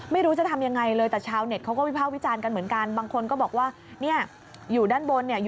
ไม่รู้จะทำยังไงเลยแต่ชาวเน็ตเขาก็วิภาควิจารณ์กันเหมือนกัน